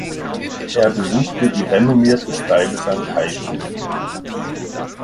Er besuchte die renommierte Stuyvesant High School.